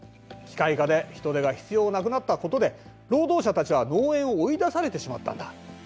機械化で人手が必要なくなったことで労働者たちは農園を追い出されてしまったんだ。